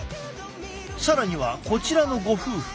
更にはこちらのご夫婦。